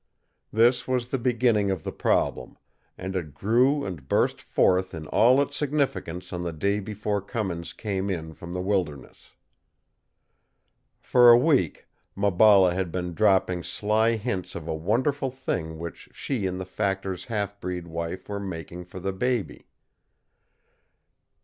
This was the beginning of the problem, and it grew and burst forth in all its significance on the day before Cummins came in from the wilderness. For a week Maballa had been dropping sly hints of a wonderful thing which she and the factor's half breed wife were making for the baby.